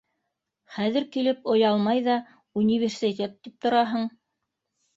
Хәҙер килеп оялмай ҙа университет тип тораһың.